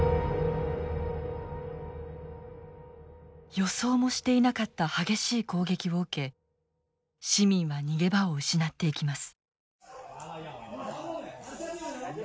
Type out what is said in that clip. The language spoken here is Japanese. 予想もしていなかった激しい攻撃を受け市民は逃げ場を失っていきます。